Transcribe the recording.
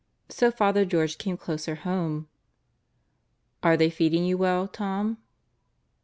So Father George came closer home. "Are they feeding you well, Tom?"